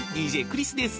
ＤＪクリスです。